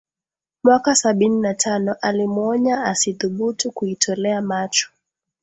Mwaka sabini na tano alimuonya asithubutu kuitolea macho